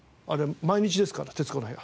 毎日ですから『徹子の部屋』。